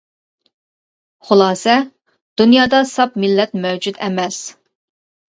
خۇلاسە دۇنيادا ساپ مىللەت مەۋجۇت ئەمەس.